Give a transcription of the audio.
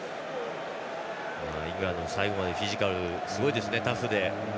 イングランド、最後までフィジカルすごいですね、タフで。